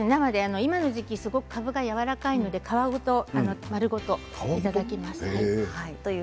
今の時期かぶがやわらかいのでかぶ丸ごといただきますね。